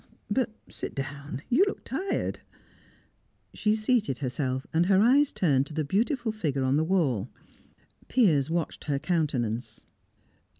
But sit down. You look tired " She seated herself, and her eyes turned to the beautiful figure on the wall. Piers watched her countenance.